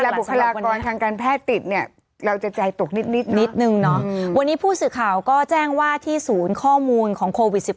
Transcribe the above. บุคลากรทางการแพทย์ติดเนี่ยเราจะใจตกนิดนิดนึงเนาะวันนี้ผู้สื่อข่าวก็แจ้งว่าที่ศูนย์ข้อมูลของโควิด๑๙